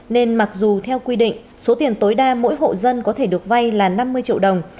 nên mặc dù theo quy định số tiền tối đa mỗi hộ dân có thể được vay là năm mươi triệu đồng